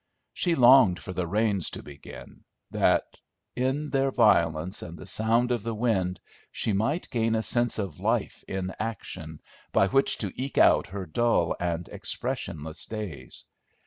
She longed for the rains to begin, that in their violence and the sound of the wind she might gain a sense of life in action by which to eke out her dull and expressionless days.